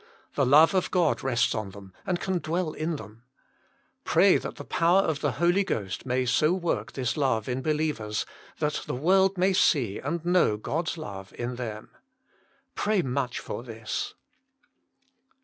The love of God rests on them, and can dwell in them. Pray that the power of the Holy Ghost may so work this love in believers, that the world may see and know God s love in them. Pray much for this.